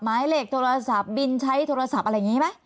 หมายเลขโทรศัพท์บินใช้โทรศัพท์อะไรอย่างนี้ไหม